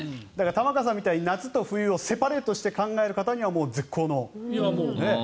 玉川さんみたいに夏と冬をセパレートして考える方には絶好の。